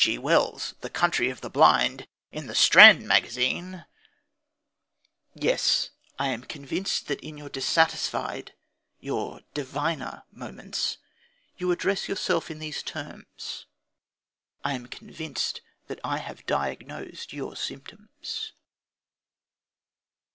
G. Wells, The Country of the Blind, in the Strand Magazine!".... Yes, I am convinced that in your dissatisfied, your diviner moments, you address yourself in these terms. I am convinced that I have diagnosed your symptoms.